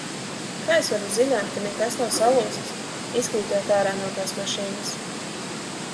Kā es varu zināt, ka nekas nav salūzis, izkrītot ārā no tās mašīnas?